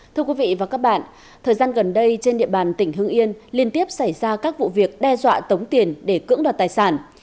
thưa quý vị và các bạn thời gian gần đây trên địa bàn tỉnh hưng yên liên tiếp xảy ra các vụ việc đe dọa tống tiền để cưỡng đoạt tài sản